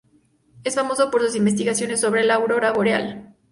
Es famoso por sus investigaciones sobre la aurora boreal.